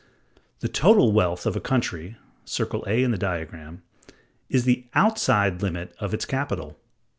The total wealth of a country (circle A in the diagram) is the outside limit of its capital.